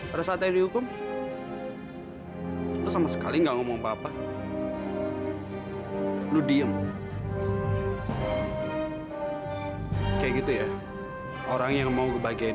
ada saat yang dihukum sama sekali nggak ngomong apa apa lu diem kayak gitu ya orang yang mau kebahagiaan kayak gitu